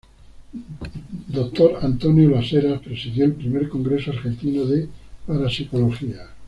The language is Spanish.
Dr. Antonio Las Heras presidió el Primer Congreso Argentino de Parapsicología.